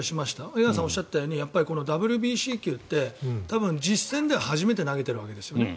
江川さんがおっしゃったようにＷＢＣ球って多分、実戦では初めて投げてるわけですよね。